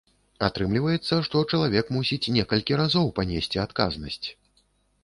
Атрымліваецца, што чалавек мусіць некалькі разоў панесці адказнасць.